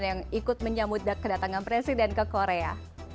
yang ikut menyambut kedatangan presiden ke korea